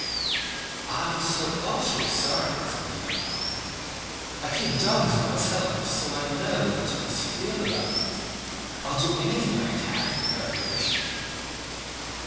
"'I'm so awfully sorry,' said the young man; I keep dogs myself, so I know what you must feel about it. I'll do anything I can in reparation.'